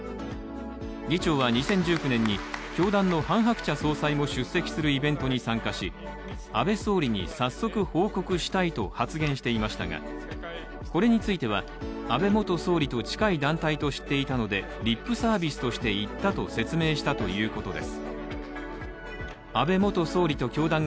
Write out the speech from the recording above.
議長は２０１９年に教団のハン・ハクチャ総裁も出席するイベントに出席し安倍総理に早速報告したいと発言していましたが、これについては、安倍元総理と近い団体と知っていたので、リップサービスとして言ったと説明していたということです。